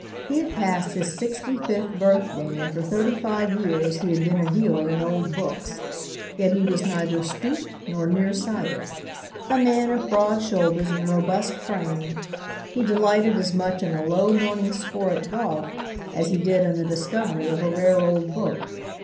He had passed his sixty fifth birthday and for thirty five years he had been a dealer in old books, yet he was neither stooped nor near sighted. A man of broad shoulders and robust frame, he delighted as much in a low morning score at golf as he did in the discovery of a rare old book.